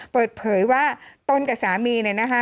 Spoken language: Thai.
เปิดเผยว่าตนกับสามีเนี่ยนะคะ